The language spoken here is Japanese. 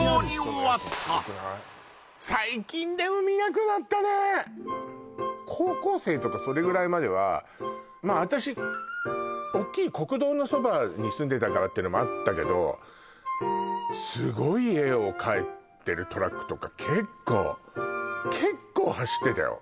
こうして高校生とかそれぐらいまではまあ私おっきい国道のそばに住んでたからっていうのもあったけどとか結構結構走ってたよ